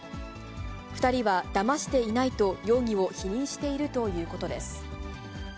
２人はだましていないと容疑を否認しているということです。